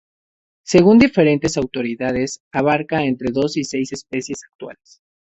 Según diferentes autoridades abarca entre dos y seis especies actuales.